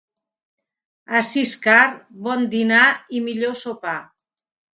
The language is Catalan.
A Siscar, bon dinar i millor sopar.